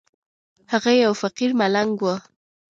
هغه يو فقير ملنگ و.